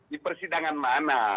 di persidangan mana